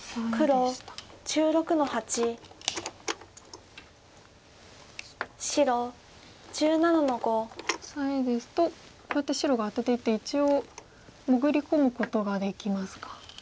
オサエですとこうやって白がアテていって一応潜り込むことができますか。